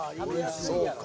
そうか。